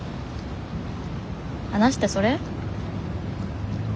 話ってそれ？